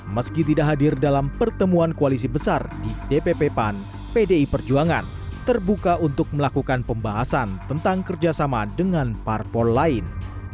meski tidak hadir dalam pertemuan koalisi besar di dpp pan pdi perjuangan terbuka untuk melakukan pembahasan tentang kerjasama dengan parpol lain